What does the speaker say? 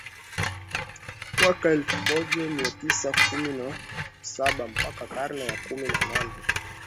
mwaka elfu moja mia tisa kumi na sabaMpaka karne ya kumi na nane